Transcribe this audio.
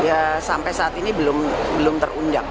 ya sampai saat ini belum terundang